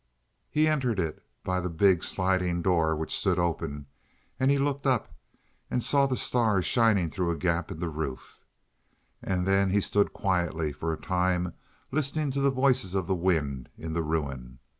He entered it by the big, sliding door, which stood open; he looked up, and saw the stars shining through a gap in the roof. And then he stood quietly for a time, listening to the voices of the wind in the ruin.